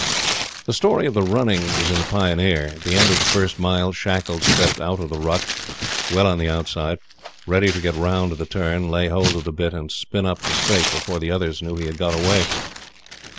The story of the running is in the Pioneer. At the end of the first mile, Shackles crept out of the ruck, well on the outside, ready to get round the turn, lay hold of the bit and spin up the straight before the others knew he had got away.